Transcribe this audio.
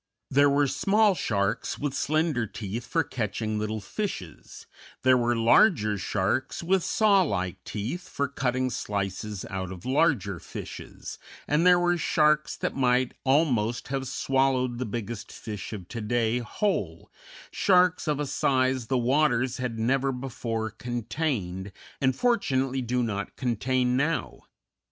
There were small sharks with slender teeth for catching little fishes, there were larger sharks with saw like teeth for cutting slices out of larger fishes, and there were sharks that might almost have swallowed the biggest fish of to day whole, sharks of a size the waters had never before contained, and fortunately do not contain now.